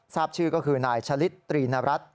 ทราบชื่อก็คือนายชะลิดตรีนรัฐ